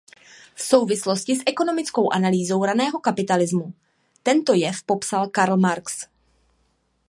V souvislosti s ekonomickou analýzou raného kapitalismu tento jev popsal Karl Marx.